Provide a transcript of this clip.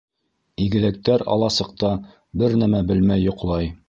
Игеҙәктәр аласыҡта бер нәмә белмәй йоҡлай.